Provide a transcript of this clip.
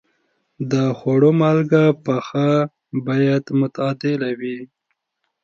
د خوړو مالګه پخه باید معتدله وي.